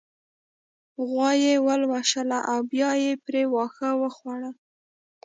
غوا يې ولوشله او بيا يې پرې واښه وخوړل